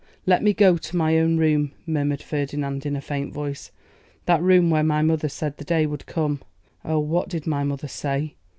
let me go to my own room,' murmured Ferdinand, in a faint voice. 'That room where my mother said the day would come oh! what did my mother say?